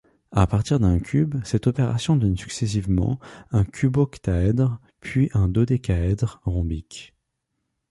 À partir d'un cube, cette opération donne successivement un cuboctaèdre, puis un dodécaèdre rhombique.